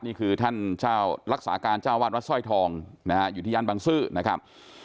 นี่คือท่านรักษาการเจ้าอาวาสวัดสร้อยทองอยู่ที่ยานบังซื้อนะครับ